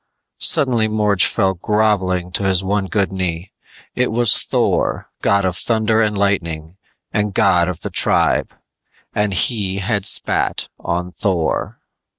Suddenly Morge fell grovelling to his one good knee. It was Thor, god of thunder and lightning and god of the tribe! _And he had spat on Thor!